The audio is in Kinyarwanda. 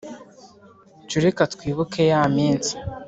Cyo reka twibuke ya minsi